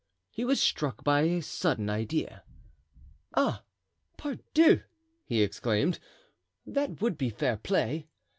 He was struck by a sudden idea. "Ah, pardieu!" he exclaimed; "that would be fair play."